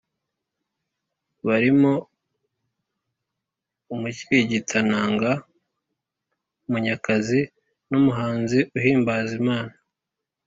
barimo umukirigitananga Munyakazi n’umuhanzi uhimbaza Imana